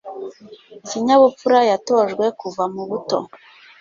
ikinyabupfura yatojwe kuva mu buto